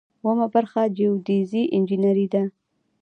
اوومه برخه جیوډیزي انجنیری ده.